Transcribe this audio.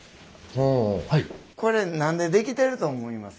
これ何で出来てると思います？